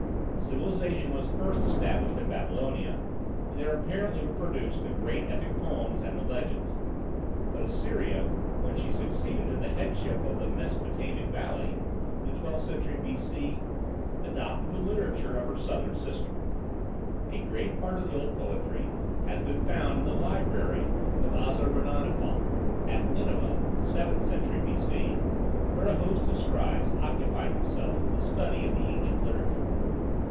Civilization was first established in Babylonia, and there apparently were produced the great epic poems and the legends. But Assyria, when she succeeded to the headship of the Mesopotamian valley, in the twelfth century B.C., adopted the literature of her southern sister. A great part of the old poetry has been found in the library of Assurbanipal, at Nineveh (seventh century B.C.), where a host of scribes occupied themselves with the study of the ancient literature.